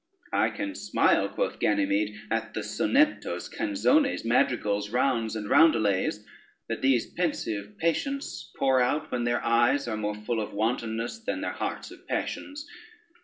"I can smile," quoth Ganymede, "at the sonettos, canzones, madrigals, rounds and roundelays, that these pensive patients pour out when their eyes are more full of wantonness, than their hearts of passions.